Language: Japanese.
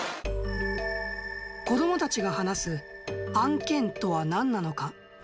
子どもたちが話す案件とはなんなのか。